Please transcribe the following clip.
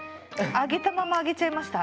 上げたまま上げちゃいました。